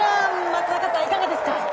松坂さん、いかがですか？